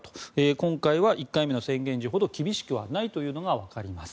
今回は１回目の宣言時ほど厳しくはないというのが分かります。